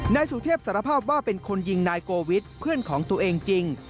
นายสุเทพสารภาพว่าเป็นคนยิงนายโกวิทเพื่อนของตัวเองจริง